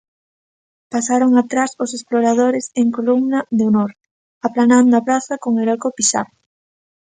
Pasaron atrás os Exploradores en columna de honor, aplanando a praza con heroico pisar.